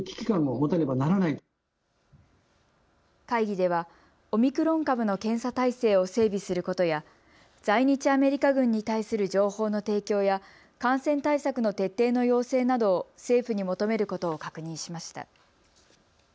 会議ではオミクロン株の検査体制を整備することや在日アメリカ軍に対する情報の提供や感染対策の徹底の要請などを政府に求めることを確認しました。